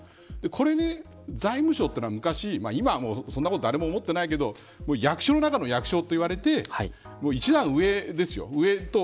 これ財務省というのは昔今はそんなこと誰も思ってないけど役所の中の役所と言われて一段上ですよ。